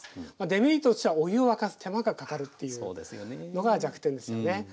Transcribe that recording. デメリットとしてはお湯を沸かす手間がかかるっていうのが弱点ですよね。